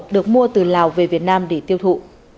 được mua từ lào về việt nam để tiêu thụ